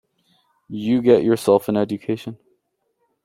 You get yourself an education.